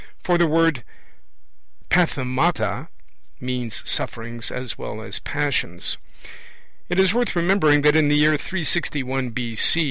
(For the word pathemata means 'sufferings' as well as 'passions'.) It is worth remembering that in the year 361 B.C.